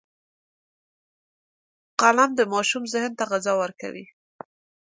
قلم د ماشوم ذهن ته غذا ورکوي